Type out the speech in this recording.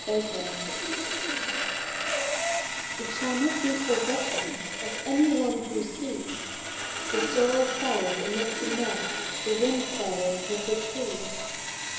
MNEMONICS It shall not be forgotten Of any one who sees, The sorrel flow'r amid the moss, The wind flow'r 'mid the trees.